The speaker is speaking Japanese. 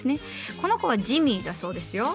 この子はジミーだそうですよ。